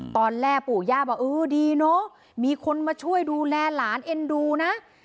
ปู่ย่าบอกเออดีเนอะมีคนมาช่วยดูแลหลานเอ็นดูนะ